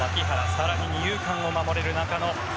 更に、二遊間を守れる中野。